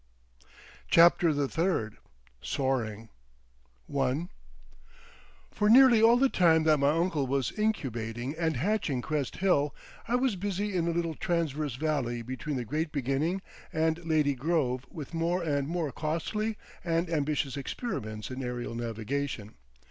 CHAPTER THE THIRD SOARING I For nearly all the time that my uncle was incubating and hatching Crest Hill I was busy in a little transverse valley between that great beginning and Lady Grove with more and more costly and ambitious experiments in aerial navigation.